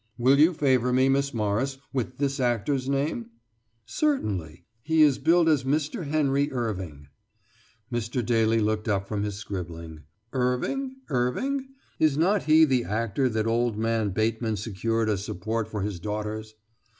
"Will you favour me, Miss Morris, with this actor's name?" "Certainly. He is billed as Mr. Henry Irving." Mr. Daly looked up from his scribbling. "Irving? Irving? Is not he the actor that old man Bateman secured as support for his daughters?"